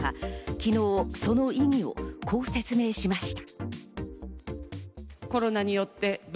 昨日その意義をこう説明しました。